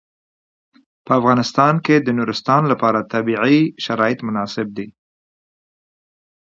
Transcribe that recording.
په افغانستان کې د نورستان لپاره طبیعي شرایط مناسب دي.